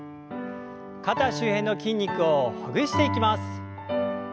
肩周辺の筋肉をほぐしていきます。